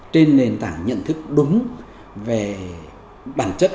trên nền tảng nhận thức đúng về bản chất